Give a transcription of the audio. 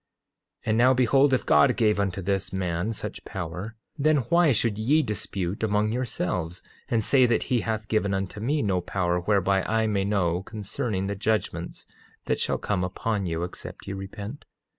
8:12 And now behold, if God gave unto this man such power, then why should ye dispute among yourselves, and say that he hath given unto me no power whereby I may know concerning the judgments that shall come upon you except ye repent?